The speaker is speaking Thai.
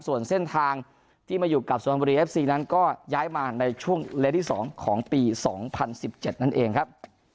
ส่วนเส้นทางที่มาอยู่กับสุพรรณบุรีเอฟซีนั้นก็ย้ายมาในช่วงเลสที่๒ของปี๒๐๑๗นั่นเองครับ